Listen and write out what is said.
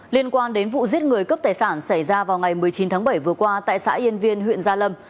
liên quan đến vụ giết người cướp tài sản xảy ra vào ngày một mươi chín tháng bảy vừa qua tại xã yên viên huyện gia lâm